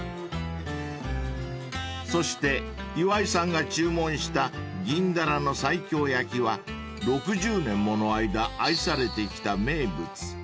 ［そして岩井さんが注文したギンダラの西京焼きは６０年もの間愛されてきた名物］